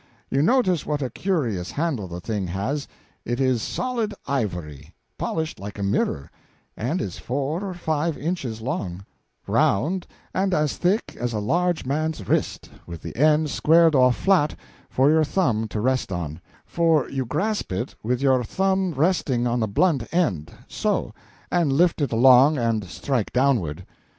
You notice what a curious handle the thing has. It is solid ivory, polished like a mirror, and is four or five inches long round, and as thick as a large man's wrist, with the end squared off flat, for your thumb to rest on; for you grasp it, with your thumb resting on the blunt end so and lift it aloft and strike downward.